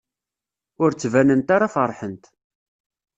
Ur ttbanent ara feṛḥent.